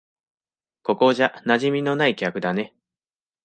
ここじゃ馴染みのない客だね。